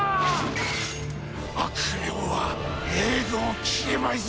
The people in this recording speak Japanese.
悪名は永劫消えまいぞ。